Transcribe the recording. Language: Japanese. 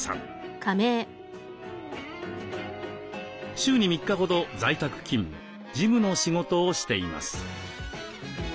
週に３日ほど在宅勤務事務の仕事をしています。